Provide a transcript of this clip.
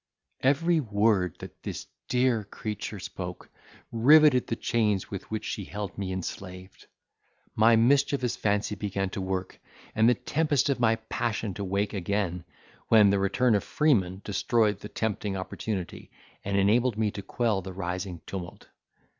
Every word that this dear creature spoke, riveted the chains with which she held me enslaved! My mischievous fancy began to work, and the tempest of my passion to wake again, when the return of Freeman destroyed the tempting opportunity, and enabled me to quell the rising tumult.